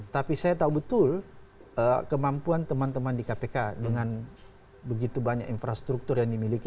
tapi saya tahu betul kemampuan teman teman di kpk dengan begitu banyak infrastruktur yang dimiliki